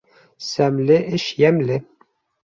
Сәмле эш йәмле.